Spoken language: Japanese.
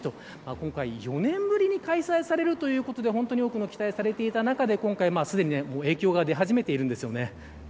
今回４年ぶりに開催されるということで本当に多く期待されていた中で今回、すでに影響が出始めているんです。